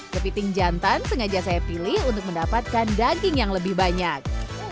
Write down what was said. kepiting jantan sengaja saya pilih untuk mendapatkan daging yang lebih banyak